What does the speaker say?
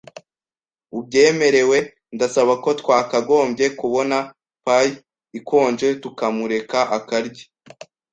ubyemerewe, ndasaba ko twakagombye kubona pie ikonje tukamureka akarya. ”